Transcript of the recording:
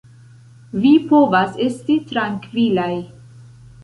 Vi povas esti trankvilaj.